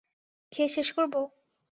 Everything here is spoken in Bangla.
খেয়ে শেষ করবো?